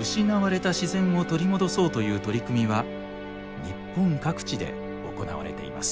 失われた自然を取り戻そうという取り組みは日本各地で行われています。